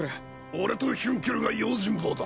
俺とヒュンケルが用心棒だ。